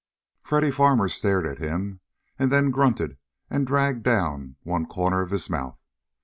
Freddy Farmer stared at him and then grunted and dragged down one corner of his mouth.